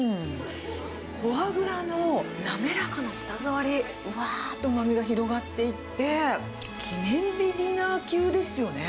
フォアグラの滑らかな舌触り、うわーとうまみが広がっていって、記念日ディナー級ですよね。